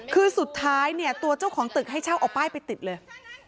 คือสุดท้ายเนี่ยตัวเจ้าของตึกให้เช่าเอาป้ายไปติดเลย